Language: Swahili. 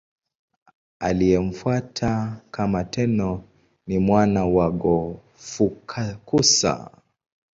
Aliyemfuata kama Tenno ni mwana wake Go-Fukakusa.